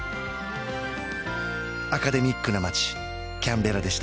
アカデミックな街キャンベラでした